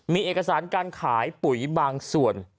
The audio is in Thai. มีเอกสารการขายปุ๋ยบางส่วน